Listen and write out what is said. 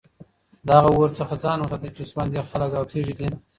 له هغه اور نه ځان وساتئ چي سوند ئې خلك او تيږي دي